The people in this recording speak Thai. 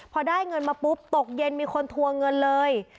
พอได้เงินมาปุ๊บตกเย็นมีคนทวงเงินเลย